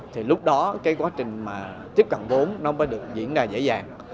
thì lúc đó cái quá trình mà tiếp cận vốn nó mới được diễn ra dễ dàng